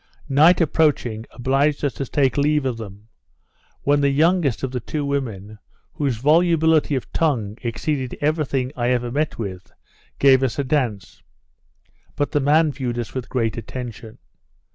Night approaching, obliged us to take leave of them; when the youngest of the two women, whose volubility of tongue exceeded every thing I ever met with, gave us a dance; but the man viewed us with great attention.